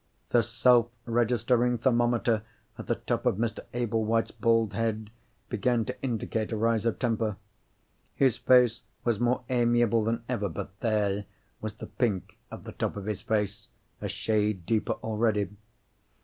The self registering thermometer at the top of Mr. Ablewhite's bald head began to indicate a rise of temper. His face was more amiable than ever—but there was the pink at the top of his face, a shade deeper already!